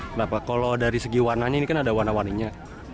kenapa kalau dari segi warnanya ini kan ada warna warninya